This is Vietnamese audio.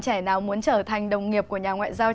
trẻ nào muốn trở thành đồng nghiệp của nhà ngoại giao